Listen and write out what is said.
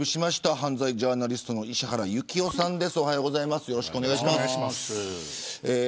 犯罪ジャーナリストの石原行雄さんです。